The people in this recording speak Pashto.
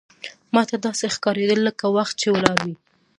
ماته داسې ښکارېدل لکه وخت چې ولاړ وي.